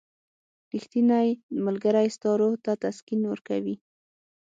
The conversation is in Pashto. • ریښتینی ملګری ستا روح ته تسکین ورکوي.